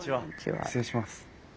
失礼します。